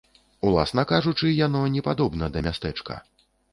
Уласна кажучы, яно не падобна да мястэчка.